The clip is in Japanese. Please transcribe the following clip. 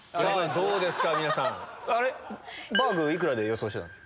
どうですか？